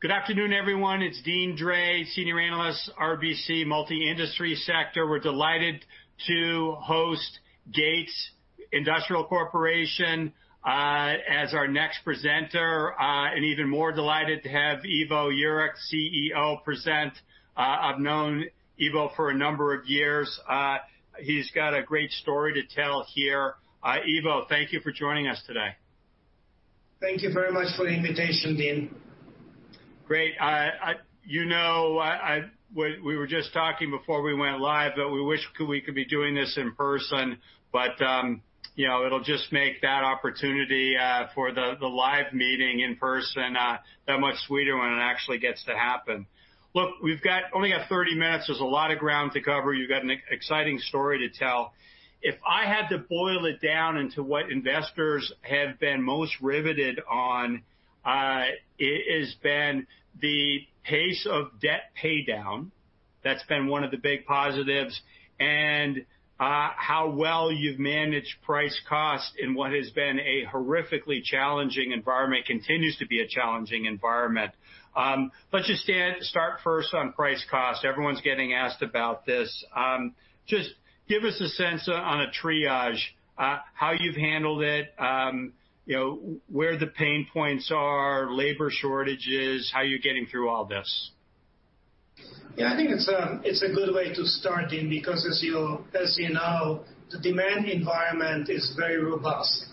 Good afternoon, everyone. It's Deane Dray, Senior Analyst, RBC, Multi-Industry Sector. We're delighted to host Gates Industrial Corporation as our next presenter, and even more delighted to have Ivo Jurek, CEO, present. I've known Ivo for a number of years. He's got a great story to tell here. Ivo, thank you for joining us today. Thank you very much for the invitation, Deane. Great. You know, we were just talking before we went live, but we wish we could be doing this in person. It will just make that opportunity for the live meeting in person that much sweeter when it actually gets to happen. Look, we've only got 30 minutes. There's a lot of ground to cover. You've got an exciting story to tell. If I had to boil it down into what investors have been most riveted on, it has been the pace of debt paydown. That's been one of the big positives. How well you've managed price cost in what has been a horrifically challenging environment continues to be a challenging environment. Let's just start first on price cost. Everyone's getting asked about this. Just give us a sense on a triage, how you've handled it, where the pain points are, labor shortages, how you're getting through all this. Yeah, I think it's a good way to start, Deane, because as you know, the demand environment is very robust.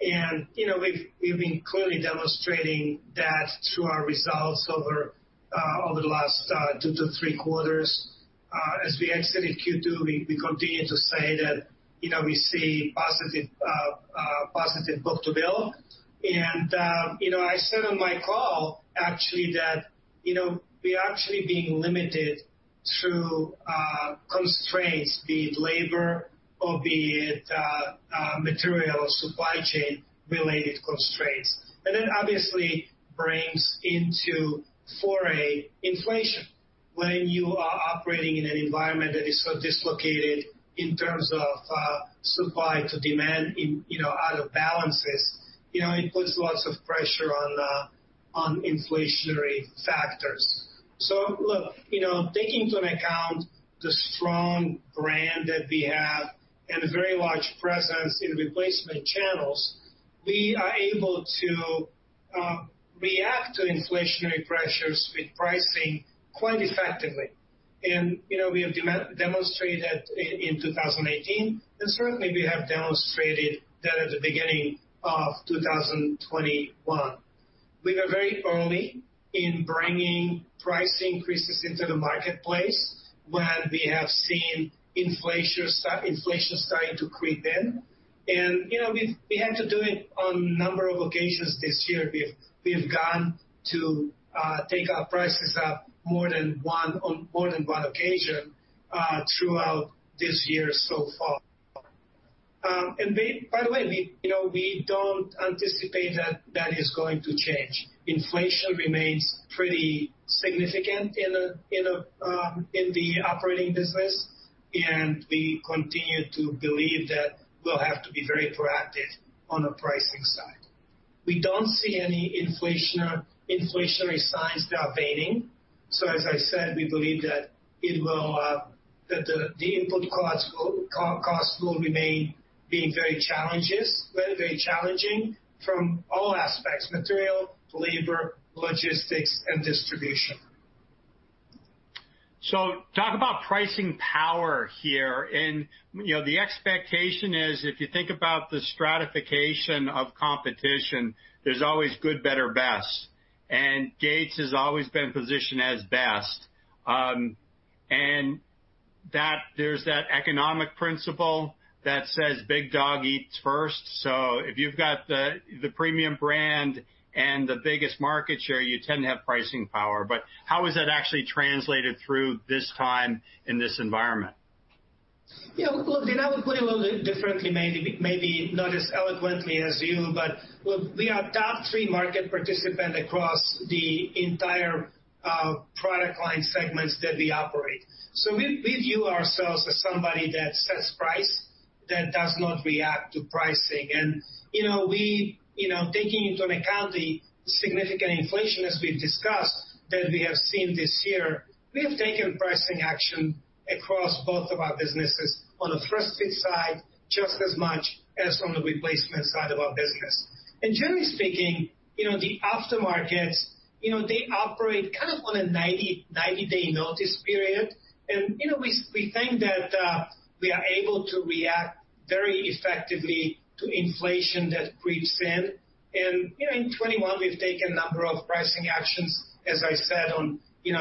We've been clearly demonstrating that through our results over the last two to three quarters. As we exited Q2, we continue to say that we see positive book to bill. I said on my call, actually, that we are actually being limited through constraints, be it labor, or be it material or supply chain-related constraints. That obviously brings into foray inflation. When you are operating in an environment that is so dislocated in terms of supply to demand out of balances, it puts lots of pressure on inflationary factors. Look, taking into account the strong brand that we have and a very large presence in replacement channels, we are able to react to inflationary pressures with pricing quite effectively. We have demonstrated that in 2018, and certainly we have demonstrated that at the beginning of 2021. We were very early in bringing price increases into the marketplace when we have seen inflation starting to creep in. We had to do it on a number of occasions this year. We have gone to take our prices up more than one occasion throughout this year so far. By the way, we do not anticipate that that is going to change. Inflation remains pretty significant in the operating business, and we continue to believe that we will have to be very proactive on the pricing side. We do not see any inflationary signs that are waning. As I said, we believe that the input costs will remain being very challenging from all aspects, material, labor, logistics, and distribution. Talk about pricing power here. The expectation is, if you think about the stratification of competition, there is always good, better, best. Gates has always been positioned as best. There is that economic principle that says big dog eats first. If you have the premium brand and the biggest market share, you tend to have pricing power. How is that actually translated through this time in this environment? Yeah, look, I would put it a little bit differently, maybe not as eloquently as you, but we are top three market participants across the entire product line segments that we operate. We view ourselves as somebody that sets price, that does not react to pricing. Taking into account the significant inflation, as we've discussed, that we have seen this year, we have taken pricing action across both of our businesses on the first fit side, just as much as on the replacement side of our business. Generally speaking, the aftermarkets operate kind of on a 90-day notice period. We think that we are able to react very effectively to inflation that creeps in. In 2021, we've taken a number of pricing actions, as I said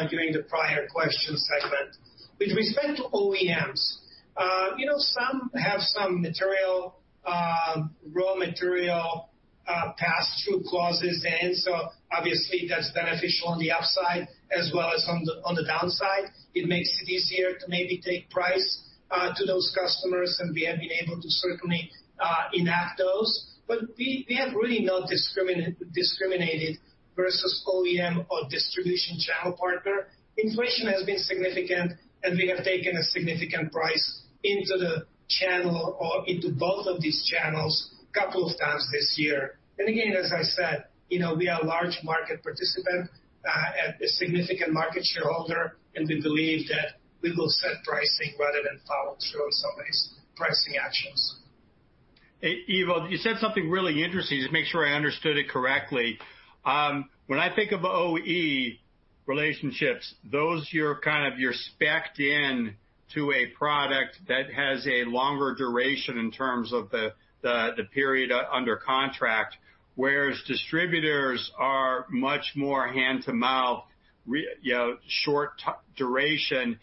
during the prior question segment. With respect to OEMs, some have some raw material pass-through clauses in. Obviously, that's beneficial on the upside as well as on the downside. It makes it easier to maybe take price to those customers, and we have been able to certainly enact those. We have really not discriminated versus OEM or distribution channel partner. Inflation has been significant, and we have taken a significant price into the channel or into both of these channels a couple of times this year. Again, as I said, we are a large market participant, a significant market shareholder, and we believe that we will set pricing rather than follow through on some of these pricing actions. Ivo, you said something really interesting to make sure I understood it correctly. When I think of OE relationships, those kind of you're spec'd in to a product that has a longer duration in terms of the period under contract, whereas distributors are much more hand-to-mouth, short duration.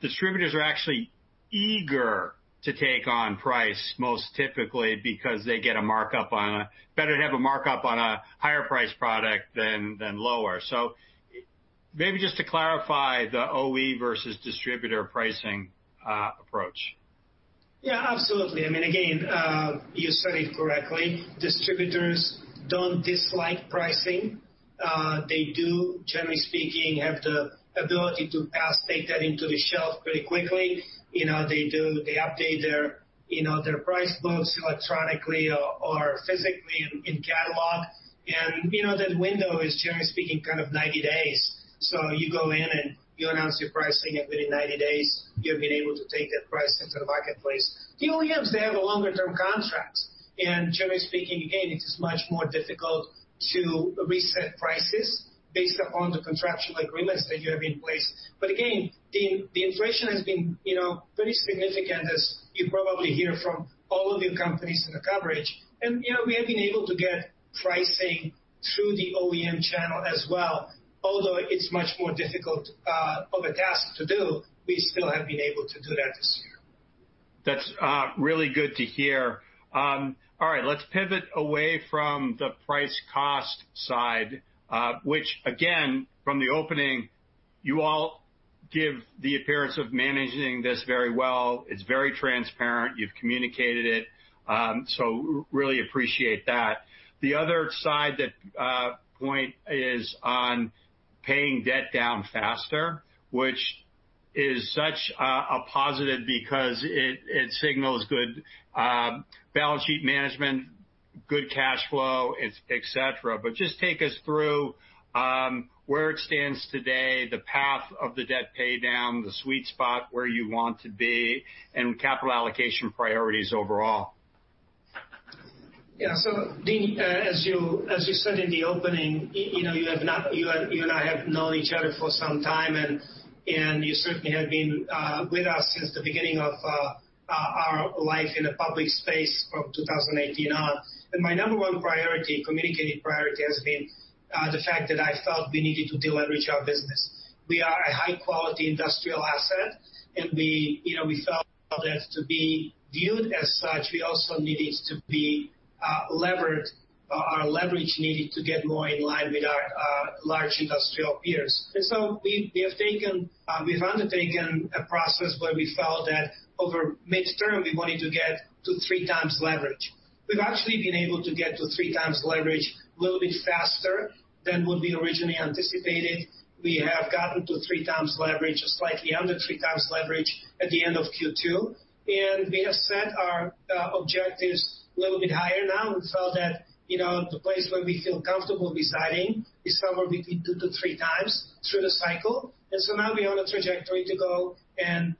Distributors are actually eager to take on price most typically because they get a markup on a better to have a markup on a higher price product than lower. Maybe just to clarify the OE versus distributor pricing approach. Yeah, absolutely. I mean, again, you said it correctly. Distributors do not dislike pricing. They do, generally speaking, have the ability to take that into the shelf pretty quickly. They update their price books electronically or physically in catalog. That window is, generally speaking, kind of 90 days. You go in and you announce your pricing, and within 90 days, you have been able to take that price into the marketplace. The OEMs have longer-term contracts. Generally speaking, again, it is much more difficult to reset prices based upon the contractual agreements that you have in place. Again, the inflation has been pretty significant, as you probably hear from all of your companies in the coverage. We have been able to get pricing through the OEM channel as well. Although it's much more difficult of a task to do, we still have been able to do that this year. That's really good to hear. All right, let's pivot away from the price cost side, which, again, from the opening, you all give the appearance of managing this very well. It's very transparent. You've communicated it. So really appreciate that. The other side point is on paying debt down faster, which is such a positive because it signals good balance sheet management, good cash flow, et cetera. Just take us through where it stands today, the path of the debt paydown, the sweet spot where you want to be, and capital allocation priorities overall. Yeah, so Deane, as you said in the opening, you and I have known each other for some time, and you certainly have been with us since the beginning of our life in the public space from 2018 on. My number one priority, communicated priority, has been the fact that I felt we needed to deleverage our business. We are a high-quality industrial asset, and we felt that to be viewed as such, we also needed to be leveraged. Our leverage needed to get more in line with our large industrial peers. We have undertaken a process where we felt that over midterm, we wanted to get to 3x leverage. We've actually been able to get to 3x leverage a little bit faster than what we originally anticipated. We have gotten to 3x leverage, slightly under 3x leverage at the end of Q2. We have set our objectives a little bit higher now. We felt that the place where we feel comfortable residing is somewhere between 2x-3x through the cycle. We are on a trajectory to go and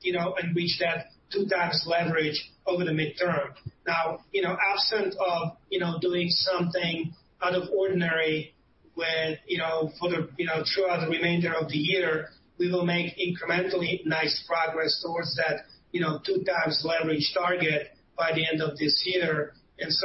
reach that 2x leverage over the midterm. Absent of doing something out of ordinary throughout the remainder of the year, we will make incrementally nice progress towards that 2x leverage target by the end of this year.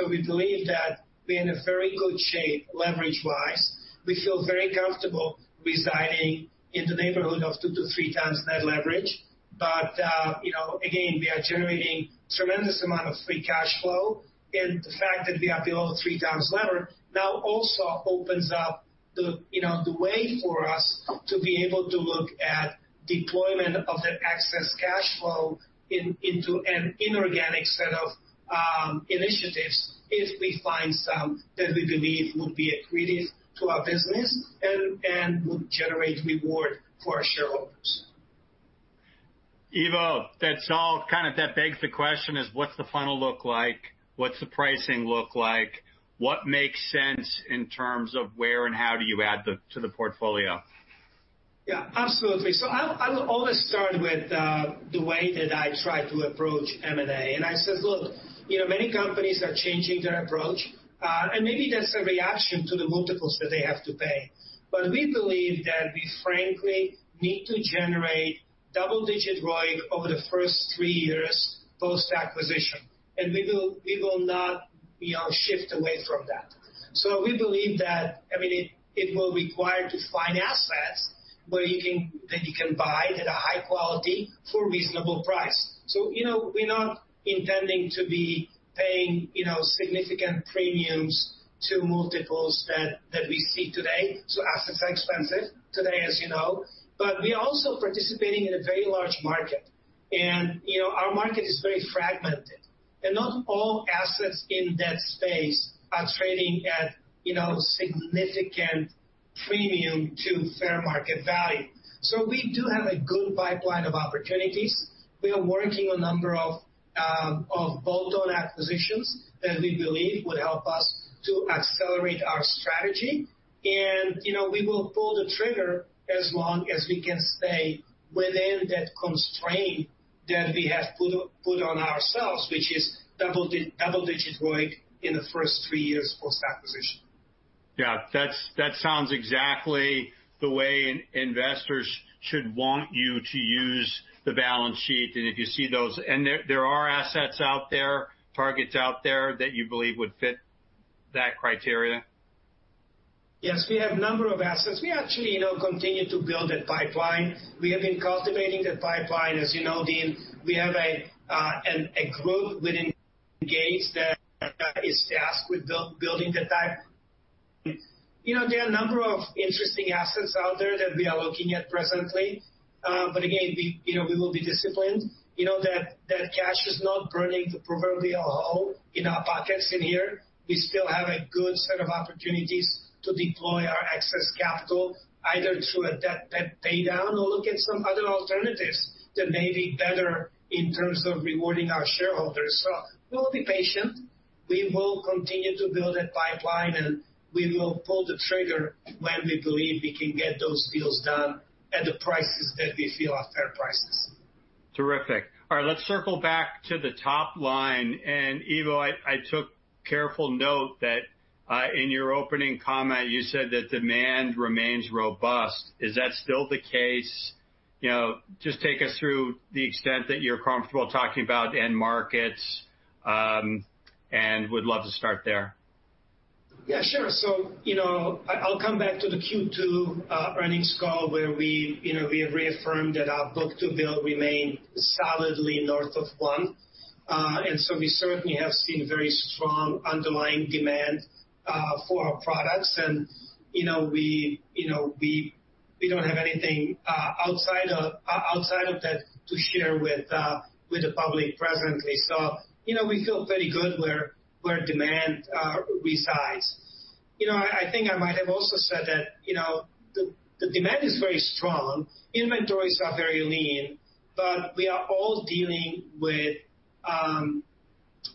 We believe that we are in very good shape leverage-wise. We feel very comfortable residing in the neighborhood of 2x-3x net leverage. Again, we are generating a tremendous amount of free cash flow. The fact that we are below 3x leverage now also opens up the way for us to be able to look at deployment of the excess cash flow into an inorganic set of initiatives if we find some that we believe would be accretive to our business and would generate reward for our shareholders. Ivo, that kind of begs the question, what's the final look like? What's the pricing look like? What makes sense in terms of where and how do you add to the portfolio? Yeah, absolutely. I will always start with the way that I try to approach M&A. I said, look, many companies are changing their approach, and maybe that's a reaction to the multiples that they have to pay. We believe that we frankly need to generate double-digit ROIC over the first three years post-acquisition. We will not shift away from that. We believe that, I mean, it will require to find assets that you can buy that are high quality for a reasonable price. We are not intending to be paying significant premiums to multiples that we see today. Assets are expensive today, as you know. We are also participating in a very large market. Our market is very fragmented. Not all assets in that space are trading at significant premium to fair market value. We do have a good pipeline of opportunities. We are working on a number of bolt-on acquisitions that we believe would help us to accelerate our strategy. We will pull the trigger as long as we can stay within that constraint that we have put on ourselves, which is double-digit ROIC in the first three years post-acquisition. Yeah, that sounds exactly the way investors should want you to use the balance sheet. If you see those, and there are assets out there, targets out there that you believe would fit that criteria? Yes, we have a number of assets. We actually continue to build that pipeline. We have been cultivating the pipeline. As you know, Deane, we have a group within Gates that is tasked with building the pipeline. There are a number of interesting assets out there that we are looking at presently. Again, we will be disciplined. That cash is not burning the proverbial hole in our pockets in here. We still have a good set of opportunities to deploy our excess capital either through a debt paydown or look at some other alternatives that may be better in terms of rewarding our shareholders. We will be patient. We will continue to build that pipeline, and we will pull the trigger when we believe we can get those deals done at the prices that we feel are fair prices. Terrific. All right, let's circle back to the top line. Ivo, I took careful note that in your opening comment, you said that demand remains robust. Is that still the case? Just take us through the extent that you're comfortable talking about end markets, and we'd love to start there. Yeah, sure. I'll come back to the Q2 earnings call where we have reaffirmed that our book to bill remains solidly north of one. We certainly have seen very strong underlying demand for our products. We do not have anything outside of that to share with the public presently. We feel pretty good where demand resides. I think I might have also said that the demand is very strong. Inventories are very lean, but we are all dealing with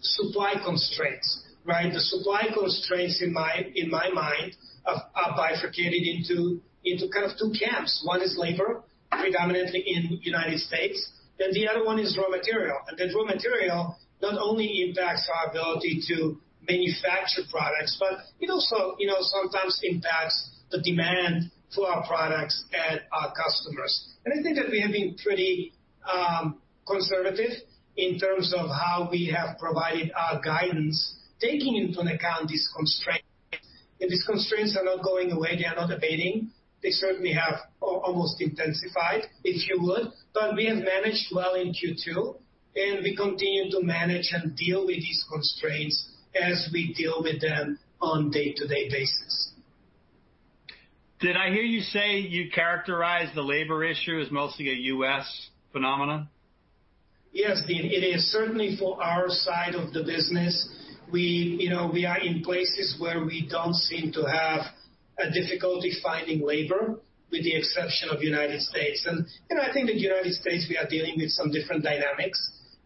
supply constraints, right? The supply constraints in my mind are bifurcated into kind of two camps. One is labor, predominantly in the United States. The other one is raw material. That raw material not only impacts our ability to manufacture products, but it also sometimes impacts the demand for our products at our customers. I think that we have been pretty conservative in terms of how we have provided our guidance, taking into account these constraints. These constraints are not going away. They are not abating. They certainly have almost intensified, if you would. We have managed well in Q2, and we continue to manage and deal with these constraints as we deal with them on a day-to-day basis. Did I hear you say you characterize the labor issue as mostly a U.S. phenomenon? Yes, Deane. It is certainly for our side of the business. We are in places where we do not seem to have a difficulty finding labor, with the exception of the United States I think that in the United States, we are dealing with some different dynamics.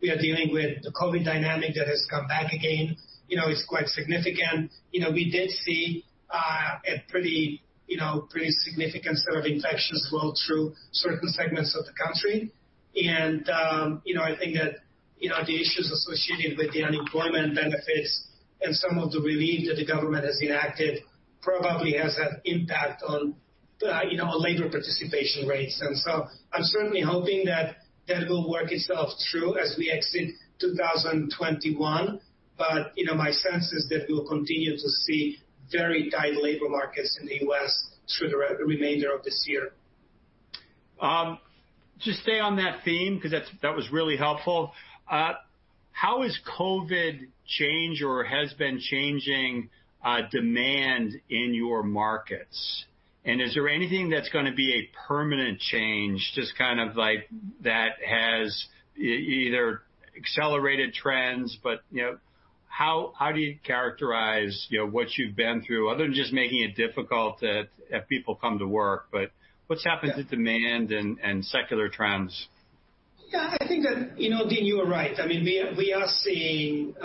We are dealing with the COVID dynamic that has come back again. It is quite significant. We did see a pretty significant set of infections roll through certain segments of the country. I think that the issues associated with the unemployment benefits and some of the relief that the government has enacted probably has had an impact on labor participation rates. I am certainly hoping that that will work itself through as we exit 2021. My sense is that we will continue to see very tight labor markets in the U.S. through the remainder of this year. To stay on that theme, because that was really helpful, how has COVID changed or has been changing demand in your markets? Is there anything that's going to be a permanent change, just kind of like that has either accelerated trends? How do you characterize what you've been through, other than just making it difficult that people come to work? What's happened to demand and secular trends? Yeah, I think that, Deane, you are right. I mean, we are seeing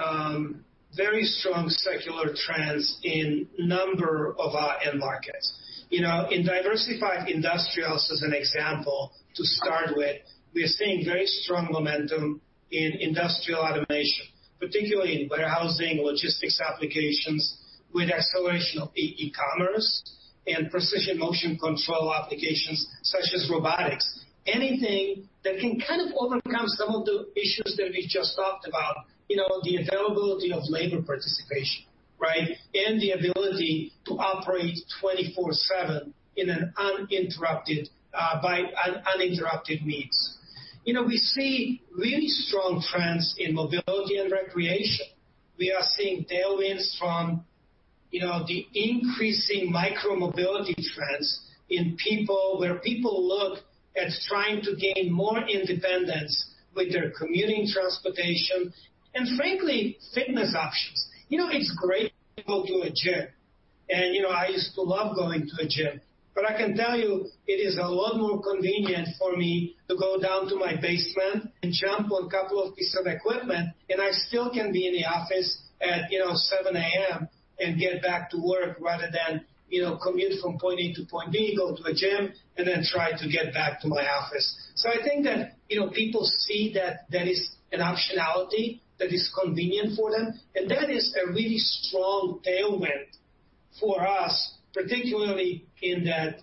very strong secular trends in a number of our end markets. In diversified industrials, as an example, to start with, we are seeing very strong momentum in industrial automation, particularly in warehousing, logistics applications, with acceleration of e-commerce and precision motion control applications such as robotics. Anything that can kind of overcome some of the issues that we just talked about, the availability of labor participation, right, and the ability to operate 24/7 in uninterrupted means. We see really strong trends in mobility and recreation. We are seeing tailwinds from the increasing micro-mobility trends in people where people look at trying to gain more independence with their commuting transportation and, frankly, fitness options. It is great to go to a gym. And I used to love going to a gym. I can tell you it is a lot more convenient for me to go down to my basement and jump on a couple of pieces of equipment, and I still can be in the office at 7:00 A.M. and get back to work rather than commute from point A to point B, go to a gym, and then try to get back to my office. I think that people see that there is an optionality that is convenient for them. That is a really strong tailwind for us, particularly in that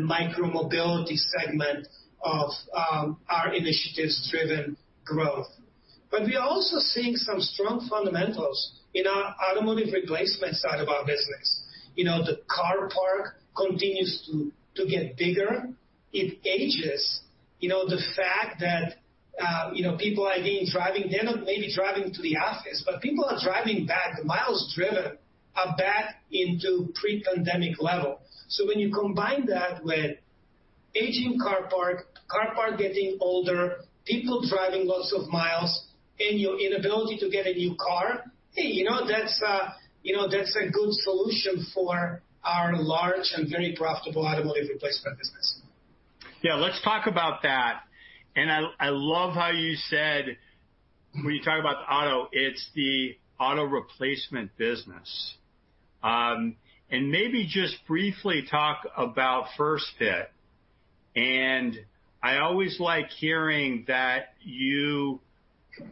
micro-mobility segment of our initiatives-driven growth. We are also seeing some strong fundamentals in our automotive replacement side of our business. The car park continues to get bigger. It ages. The fact that people are being driving, they're not maybe driving to the office, but people are driving back. The miles driven are back into pre-pandemic level. When you combine that with aging car park, car park getting older, people driving lots of miles, and your inability to get a new car, hey, that's a good solution for our large and very profitable automotive replacement business. Yeah, let's talk about that. I love how you said when you talk about the auto, it's the auto replacement business. Maybe just briefly talk about First Fit. I always like hearing that you,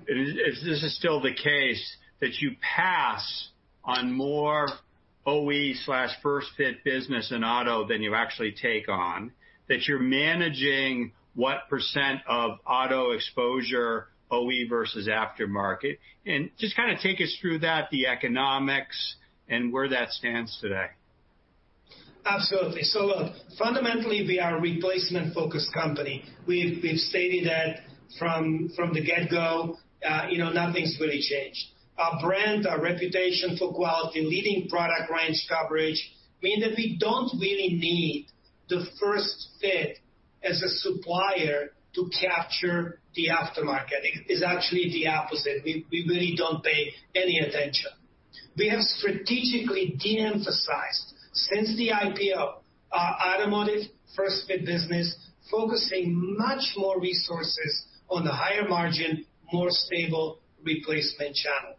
if this is still the case, that you pass on more OE/First Fit business in auto than you actually take on, that you're managing what percent of auto exposure, OE versus aftermarket, and just kind of take us through that, the economics, and where that stands today. Absolutely. Look, fundamentally, we are a replacement-focused company. We've stated that from the get-go, nothing's really changed. Our brand, our reputation for quality, leading product range coverage, mean that we don't really need the First Fit as a supplier to capture the aftermarket. It's actually the opposite. We really don't pay any attention. We have strategically de-emphasized since the IPO, our automotive First Fit business, focusing much more resources on the higher margin, more stable replacement channel.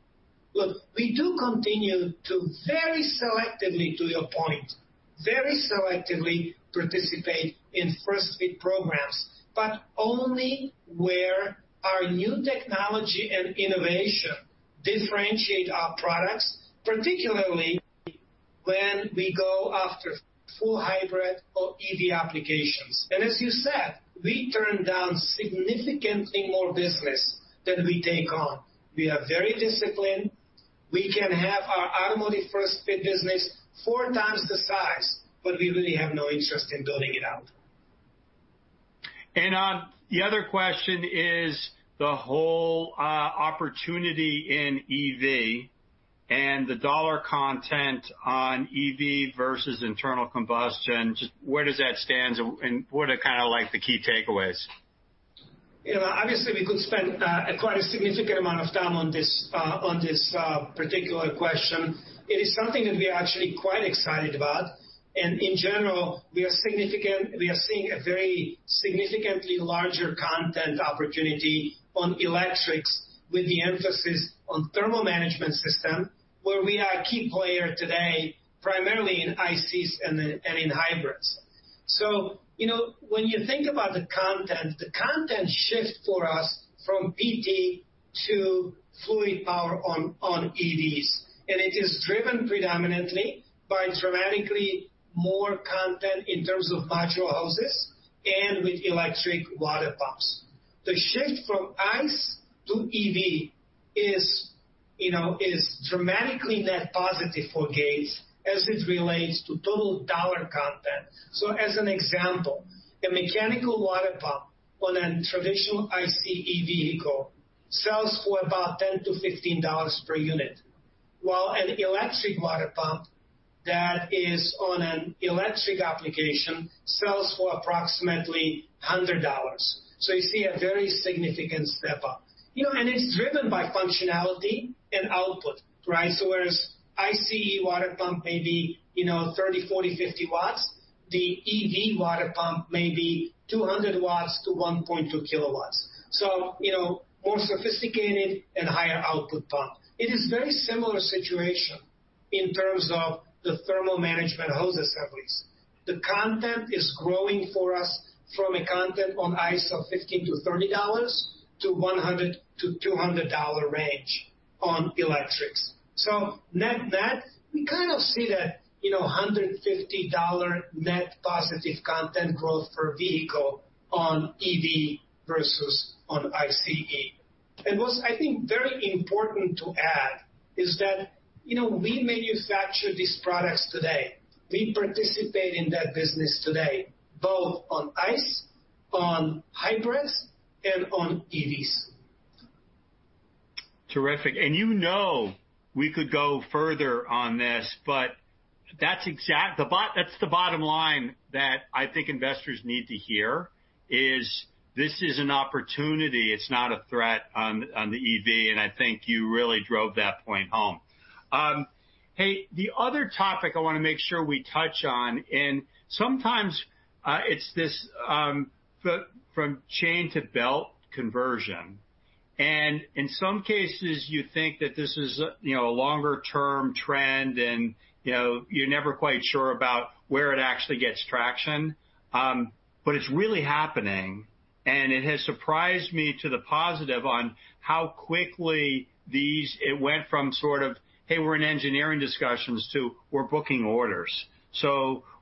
We do continue to very selectively, to your point, very selectively participate in First Fit programs, but only where our new technology and innovation differentiate our products, particularly when we go after full hybrid or EV applications. As you said, we turn down significantly more business than we take on. We are very disciplined. We can have our automotive First Fit business four times the size, but we really have no interest in building it out. The other question is the whole opportunity in EV and the dollar content on EV versus internal combustion. Just where does that stand? What are kind of like the key takeaways? Obviously, we could spend quite a significant amount of time on this particular question. It is something that we are actually quite excited about. In general, we are seeing a very significantly larger content opportunity on electrics with the emphasis on thermal management system, where we are a key player today, primarily in ICEs and in hybrids. When you think about the content, the content shift for us from PT to fluid power on EVs, it is driven predominantly by dramatically more content in terms of module houses and with electric water pumps. The shift from ICE to EV is dramatically net positive for Gates as it relates to total dollar content. As an example, a mechanical water pump on a traditional ICE EV vehicle sells for about $10-$15 per unit, while an electric water pump that is on an electric application sells for approximately $100. You see a very significant step up. It is driven by functionality and output, right? Whereas an ICE water pump may be 30W, 40W, 50W, the EV water pump may be 200W to 1.2kW. More sophisticated and higher output pump. It is a very similar situation in terms of the thermal management hose assemblies. The content is growing for us from a content on ICE of $15-$30 to $100-$200 range on electrics. Net net, we kind of see that $150 net positive content growth per vehicle on EV versus on ICE. What is, I think, very important to add is that we manufacture these products today. We participate in that business today, both on ICE, on hybrids, and on EVs. Terrific. You know, we could go further on this, but that's the bottom line that I think investors need to hear is this is an opportunity. It's not a threat on the EV. I think you really drove that point home. Hey, the other topic I want to make sure we touch on, and sometimes it's this from chain to belt conversion. In some cases, you think that this is a longer-term trend, and you're never quite sure about where it actually gets traction. It's really happening. It has surprised me to the positive on how quickly these went from sort of, hey, we're in engineering discussions to we're booking orders.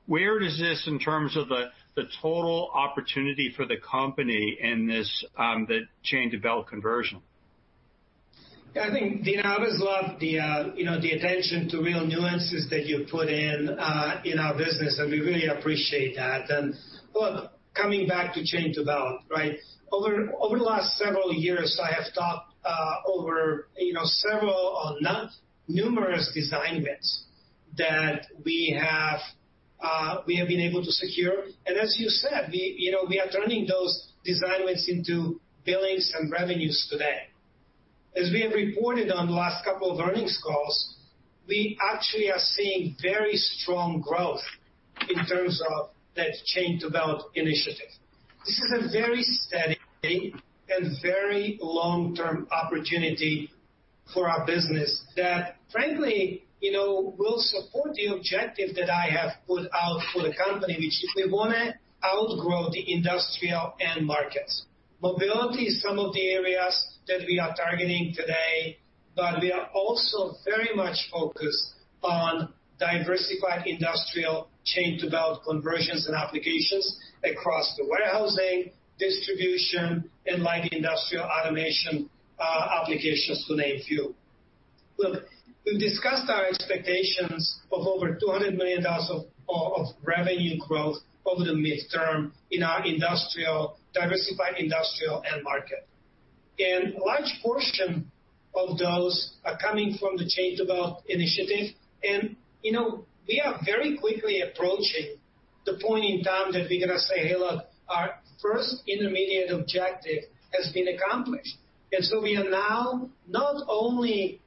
Where does this, in terms of the total opportunity for the company and the chain to belt conversion? Yeah, I think, Deane, I always love the attention to real nuances that you put in our business. We really appreciate that. Look, coming back to chain to belt, right? Over the last several years, I have talked over several or numerous design wins that we have been able to secure. As you said, we are turning those design wins into billings and revenues today. As we have reported on the last couple of earnings calls, we actually are seeing very strong growth in terms of that chain to belt initiative. This is a very steady and very long-term opportunity for our business that, frankly, will support the objective that I have put out for the company, which is we want to outgrow the industrial end markets. Mobility is some of the areas that we are targeting today, but we are also very much focused on diversified industrial chain to belt conversions and applications across the warehousing, distribution, and light industrial automation applications, to name a few. Look, we've discussed our expectations of over $200 million of revenue growth over the midterm in our diversified industrial end market. A large portion of those are coming from the chain to belt initiative. We are very quickly approaching the point in time that we're going to say, hey, look, our first intermediate objective has been accomplished. We are now not only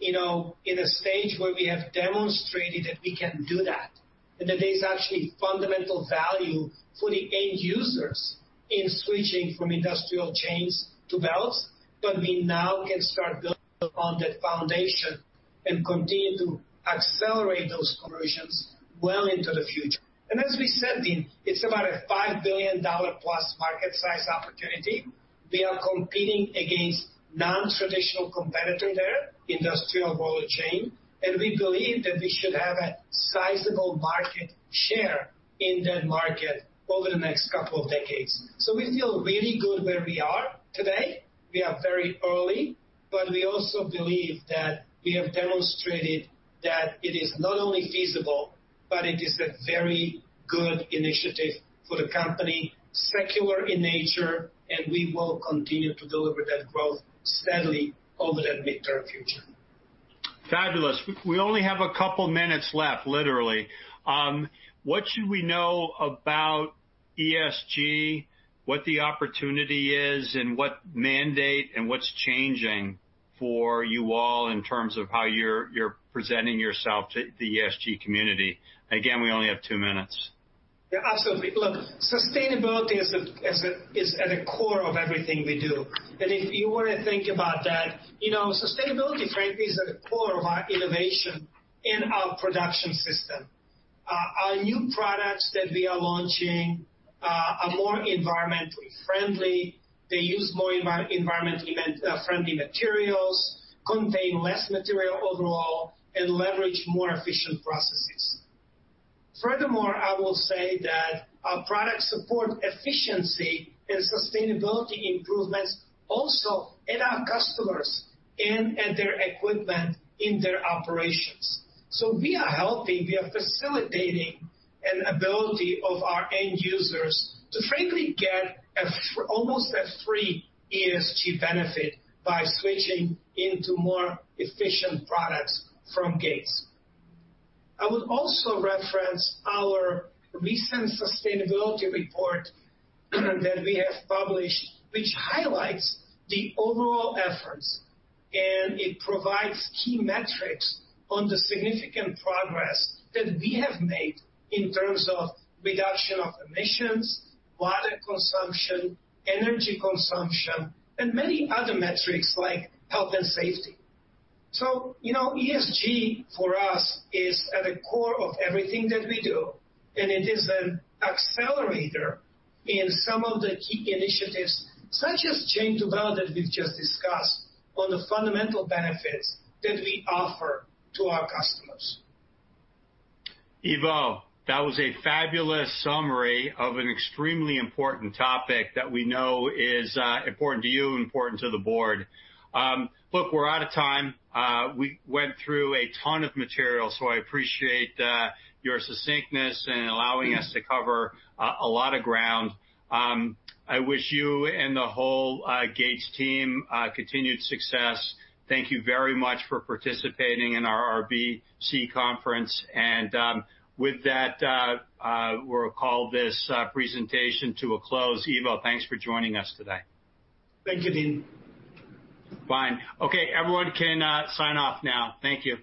in a stage where we have demonstrated that we can do that and that there is actually fundamental value for the end users in switching from industrial chains to belts, but we now can start building on that foundation and continue to accelerate those conversions well into the future. As we said, Deane, it is about a $5 billion-plus market size opportunity. We are competing against non-traditional competitors there, industrial world chain. We believe that we should have a sizable market share in that market over the next couple of decades. We feel really good where we are today. We are very early, but we also believe that we have demonstrated that it is not only feasible, but it is a very good initiative for the company, secular in nature, and we will continue to deliver that growth steadily over that midterm future. Fabulous. We only have a couple of minutes left, literally. What should we know about ESG, what the opportunity is, and what mandate and what's changing for you all in terms of how you're presenting yourself to the ESG community? Again, we only have two minutes. Yeah, absolutely. Look, sustainability is at the core of everything we do. If you want to think about that, sustainability, frankly, is at the core of our innovation in our production system. Our new products that we are launching are more environmentally friendly. They use more environmentally friendly materials, contain less material overall, and leverage more efficient processes. Furthermore, I will say that our products support efficiency and sustainability improvements also at our customers and at their equipment in their operations. We are helping, we are facilitating an ability of our end users to, frankly, get almost a free ESG benefit by switching into more efficient products from Gates. I would also reference our recent sustainability report that we have published, which highlights the overall efforts. It provides key metrics on the significant progress that we have made in terms of reduction of emissions, water consumption, energy consumption, and many other metrics like health and safety. ESG for us is at the core of everything that we do. It is an accelerator in some of the key initiatives, such as chain to belt that we've just discussed, on the fundamental benefits that we offer to our customers. Ivo, that was a fabulous summary of an extremely important topic that we know is important to you and important to the board. Look, we're out of time. We went through a ton of material, so I appreciate your succinctness and allowing us to cover a lot of ground. I wish you and the whole Gates team continued success. Thank you very much for participating in our RBC conference. With that, we'll call this presentation to a close. Ivo, thanks for joining us today. Thank you, Deane. Fine. Okay, everyone can sign off now. Thank you.